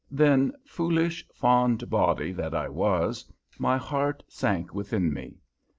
Then, foolish, fond body that I was, my heart sank within me.